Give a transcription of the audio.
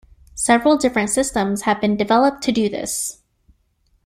Several different systems have been developed to do this.